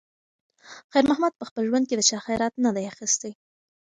خیر محمد په خپل ژوند کې د چا خیرات نه دی اخیستی.